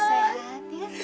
sebentar mbak yu